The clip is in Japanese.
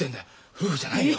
夫婦じゃないよ。